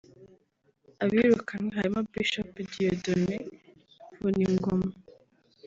Abirukanwe barimo Bishop Dieudone Vuningoma